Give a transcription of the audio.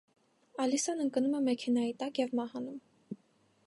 Ալիսան ընկնում է մեքենայի տակ և մահանում։